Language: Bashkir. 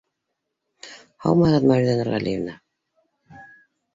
— Һаумыһығыҙ, Мәүлиҙә Нурғәлиевна!